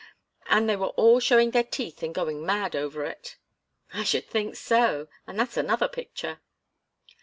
And they were all showing their teeth and going mad over it." "I should think so and that's another picture."